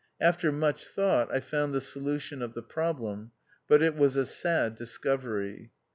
After much thought, I found the solution of the problem; but it was a sad discovery.